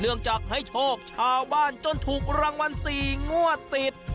เนื่องจากให้โชคชาวบ้านจนถูกรางวัล๔งวดติด